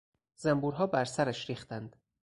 زنبورها برسرش ریختند.